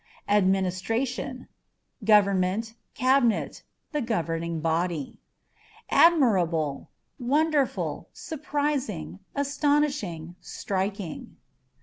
Administration â€" government, cabinet ; the governing body. Admirable: â€" wonderful, surprising, astonishing, striking.